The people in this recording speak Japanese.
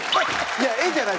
いや「えっ？」じゃない。